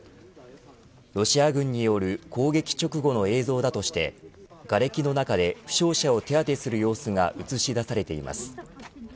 ロシア軍による攻撃直後の映像だとしてがれきの中で負傷者を手当する様子が映し出されています。